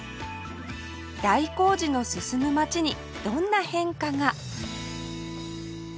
大工事の進む街にどんな変化が？